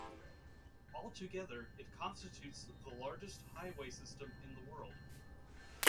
Altogether, it constitutes the largest highway system in the world.